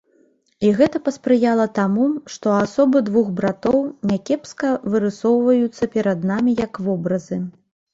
І гэта паспрыяла таму, што асобы двух братоў някепска вырысоўваюцца перад намі як вобразы.